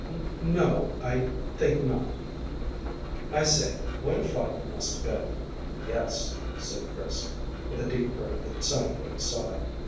"N no, I think not. I say, what a fight it must have been!" "Yes," said Chris, with a deep breath that sounded like a sigh.